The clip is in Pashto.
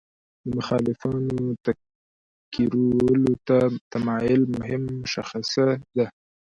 د مخالفانو تکفیرولو ته تمایل مهم مشخصه ده.